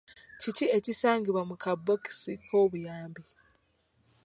Kiki ekisangibwa mu kabookisi k'obuyambi?